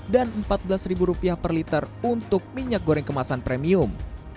dan rp empat belas per liter untuk minyak goreng kemasan premium